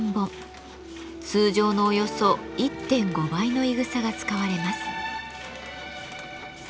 通常のおよそ１．５倍のいぐさが使われます。